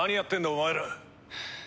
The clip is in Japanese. お前ら。